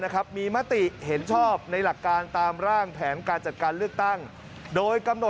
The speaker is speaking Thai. ก็ขอให้การประการอะไรก็ตาม